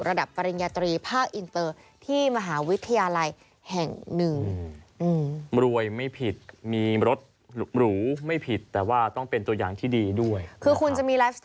ระดับปริญญาตรีภาคอินเตอร์